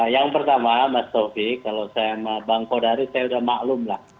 yang pertama mas taufik kalau saya sama bang kodari saya sudah maklum lah